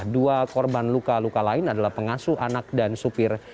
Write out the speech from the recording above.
dua korban luka luka lain adalah pengasuh anak dan supir